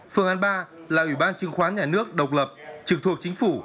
phương án ba là ủy ban chứng khoán nhà nước độc lập trực thuộc chính phủ